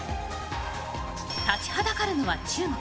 立ちはだかるのは中国。